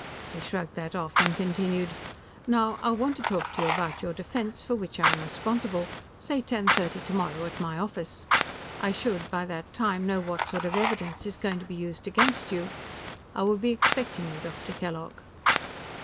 He shrugged that off, and continued: "Now, I'll want to talk to you about your defense, for which I am responsible. Say ten thirty tomorrow, at my office. I should, by that time, know what sort of evidence is going to be used against you. I will be expecting you, Dr. Kellogg."